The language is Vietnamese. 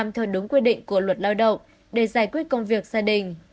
theo đúng quy định của luật lao động để giải quyết công việc gia đình